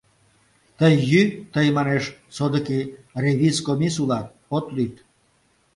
Тый йӱ, тый, манеш, содыки ревиз комис улат, от лӱд.